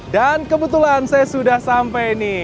dan kebetulan saya sudah sampai nih